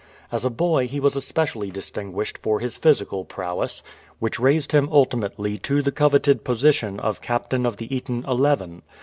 As a boy he was especially distinguished for his physical prowess, which raised him ultimately to the coveted position of captain of the Eton Eleven.